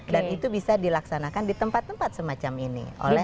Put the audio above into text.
dan itu bisa dilaksanakan di tempat tempat semacam ini